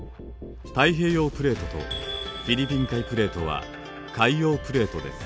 太平洋プレートとフィリピン海プレートは海洋プレートです。